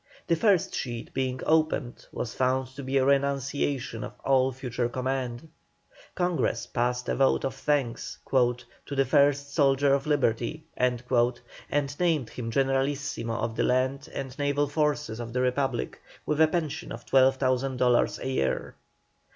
The first sheet being opened was found to be a renunciation of all future command. Congress passed a vote of thanks "to the first soldier of Liberty," and named him generalissimo of the land and naval forces of the Republic, with a pension of 12,000 dollars a year.